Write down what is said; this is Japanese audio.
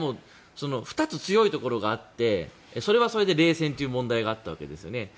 ２つ、強いところがあってそれはそれで冷戦という問題があったわけですよね。